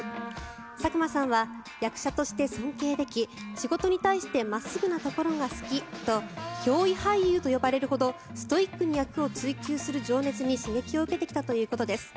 佐久間さんは役者として尊敬でき仕事に対して真っすぐなところが好きと憑依俳優と呼ばれるほどストイックに役を追求する姿勢に刺激を受けてきたということです。